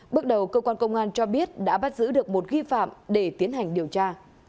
bước đầu cơ quan công an cho biết đã bắt giữ được một nghi phạm để tiến hành điều tra